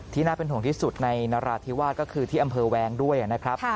น่าเป็นห่วงที่สุดในนราธิวาสก็คือที่อำเภอแวงด้วยนะครับ